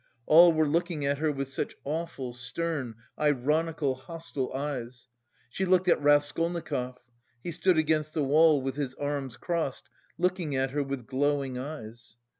All were looking at her with such awful, stern, ironical, hostile eyes. She looked at Raskolnikov... he stood against the wall, with his arms crossed, looking at her with glowing eyes.